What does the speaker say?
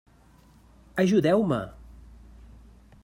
Ajudeu-me!